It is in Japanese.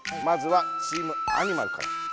まずはチームアニマルから。